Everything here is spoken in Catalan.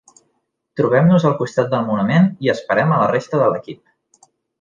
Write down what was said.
Trobem-nos al costat del monument i esperem a la resta de l'equip.